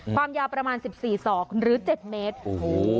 ความยาวประมาณสิบสี่ศอกหรือเจ็ดเมตรโอ้โห